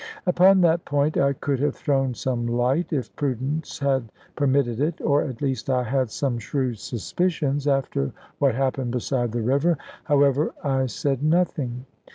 Upon that point I could have thrown some light (if prudence had permitted it), or at least I had some shrewd suspicions, after what happened beside the river; however, I said nothing.